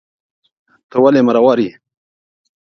ته ولي مرور یې